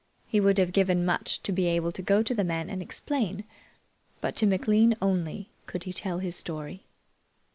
He would have given much to be able to go to the men and explain, but to McLean only could he tell his story.